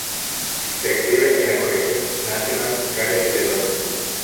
Se exhibe en la colección de la National Gallery de Londres.